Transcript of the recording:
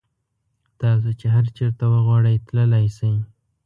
تاسو چې هر چېرته وغواړئ تللی شئ.